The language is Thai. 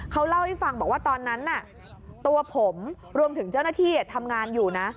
เขาเล่าให้ฟังบอกว่าตอนนั้นน่ะตัวผมรวมถึงเจ้าหน้าที่ทำงานอยู่นะ